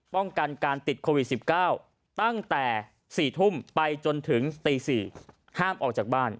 ป้องกันการติดโควิด๑๙ตั้งแต่๔ทุ่มไปจนถึงตี๔ห้ามออกจากบ้าน